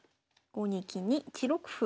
５二金に１六歩。